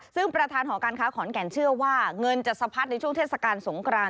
ซึ่งประธานหอการค้าขอนแก่นเชื่อว่าเงินจะสะพัดในช่วงเทศกาลสงคราน